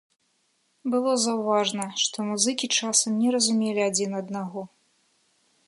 Было заўважна, што музыкі часам не разумелі адзін аднаго.